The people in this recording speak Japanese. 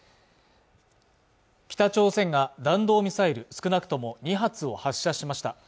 北朝鮮が弾道ミサイル少なくとも２発を発射しました